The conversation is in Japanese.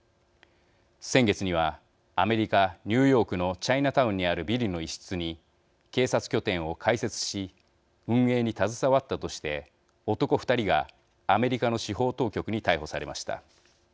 先月にはアメリカ、ニューヨークのチャイナタウンにあるビルの一室に警察拠点を開設し運営に携わったとして男２人がアメリカの司法当局に逮捕されました。